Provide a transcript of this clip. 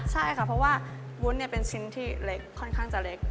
ใช่ค่ะเพราะว่าวุ้นเป็นชิ้นที่เล็กค่อนข้างจะเล็ก